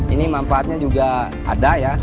ini manfaatnya juga ada ya